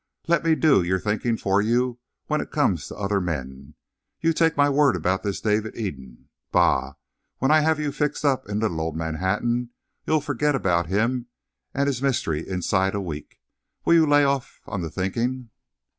"Let me do your thinking for you when it comes to other men. You take my word about this David Eden. Bah! When I have you fixed up in little old Manhattan you'll forget about him and his mystery inside a week. Will you lay off on the thinking?"